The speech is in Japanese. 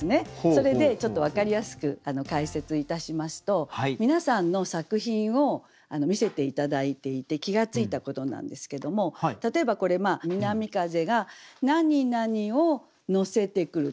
それでちょっと分かりやすく解説いたしますと皆さんの作品を見せて頂いていて気が付いたことなんですけども例えばこれ南風がなになにを乗せてくる。